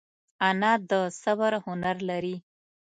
انا د صبر هنر لري